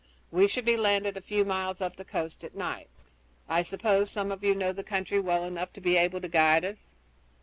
We should be landed a few miles up the coast at night. I suppose some of you know the country well enough to be able to guide us."